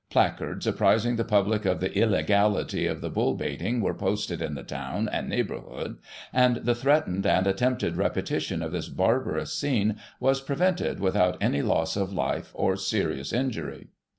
Placards, apprising the public of the illegality of the bull baiting, were posted in the town and neighbourhood, and the threatened and at tempted repetition of this barbarous scene was prevented without any loss of life or serious injury.